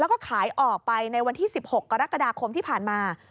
แล้วก็ขายออกไปในวันที่๑๖กรกฎาคมที่ผ่านมา